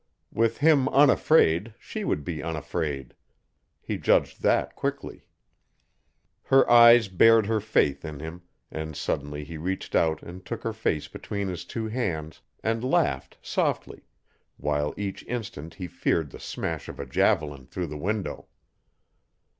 With him unafraid she would be unafraid. He judged that quickly. Her eyes bared her faith in him, and suddenly he reached out and took her face between his two hands, and laughed softly, while each instant he feared the smash of a javelin through the window.